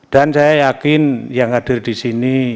dan saya yakin yang hadir di sini